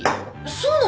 そうなの？